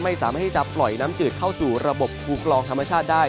ไม่สามารถที่จะปล่อยน้ำจืดเข้าสู่ระบบภูกลองธรรมชาติได้